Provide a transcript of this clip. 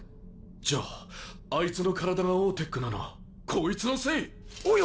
じゃああいつの体がオーテックなのはこいつのせい⁉およ？